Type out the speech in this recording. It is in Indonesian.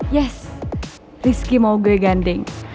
ya rizky mau gue ganding